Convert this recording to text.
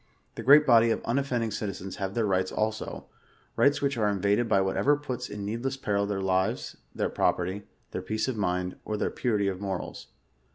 The great body of unoffending . citizens have their rights also ; rights which are > invaded by whatever puis in needless peril their lives, their property, their peace of mind, or their purity of morals.